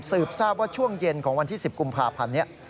ทราบว่าช่วงเย็นของวันที่๑๐กุมภาพันธ์นี้